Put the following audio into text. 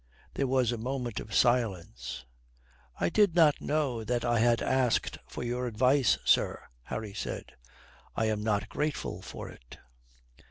There was a moment of silence. "I did not know that I had asked for your advice, sir." Harry said. "I am not grateful for it."